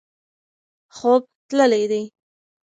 خوب تللی دی.